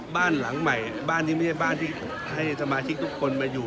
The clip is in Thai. บ้านหลังใหม่บ้านนี้ไม่ใช่บ้านที่ให้สมาชิกทุกคนมาอยู่